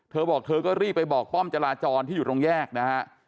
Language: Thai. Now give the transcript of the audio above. เธอบอกเธอก็รีบไปบอกป้อมจราจรที่อยู่ตรงแยกนะฮะ